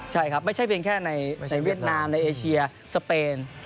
ใช่ครับไม่ใช่เพียงแค่ในเวียดนามในเอเชียสเปน